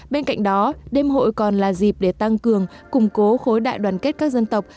bên cạnh đó đêm hội còn là dịp để tăng cường củng cố khối đại đoàn kết các dân tộc